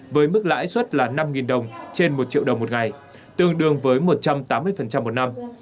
với mức lãi suất là năm đồng trên một triệu đồng một ngày tương đương với một trăm tám mươi một năm